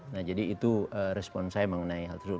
nah jadi itu respon saya mengenai hal tersebut